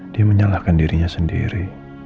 dia menyalahkan dirinya sendiri